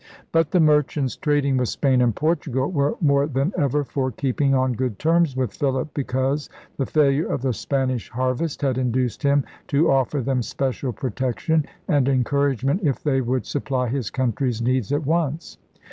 But the merchants trading with Spain and Por tugal were more than ever for keeping on good terms with Philip because the failure of the Spanish harvest had induced him to offer them special protection and encouragement if they would sup ply his country's needs at once.